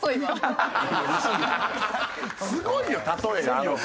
すごいよ例えがあの子。